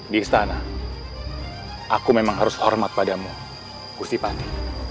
di istana aku memang harus hormat padamu gusti pandi